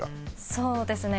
そうですね